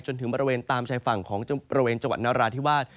จนถึงบริเวณตามชายฝั่งของบริเวณจังหวัดนราธิวาส